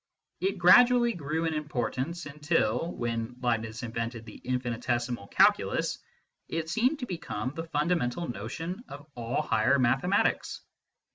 It gradually grew in importance, until, when Leibniz in vented the Infinitesimal Calculus, it seemed to become the fundamental notion of all higher mathematics.